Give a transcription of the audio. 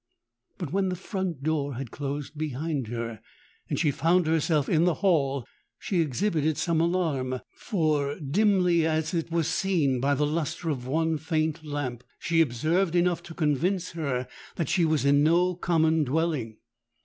But when the front door had closed behind her, and she found herself in the hall, she exhibited some alarm; for, dimly as it was seen by the lustre of one faint lamp, she observed enough to convince her that she was in no common dwelling.